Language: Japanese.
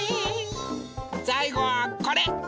さいごはこれ！